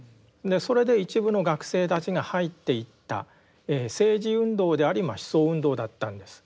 それで一部の学生たちが入っていった政治運動であり思想運動だったんです。